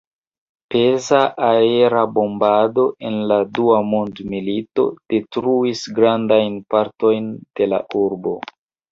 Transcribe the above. Peza aera bombado en la dua mondmilito detruis grandajn partojn de la urbo.